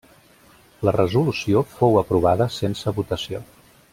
La resolució fou aprovada sense votació.